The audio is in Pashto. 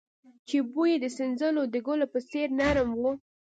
چې بوى يې د سنځلو د ګلو په څېر نرم و.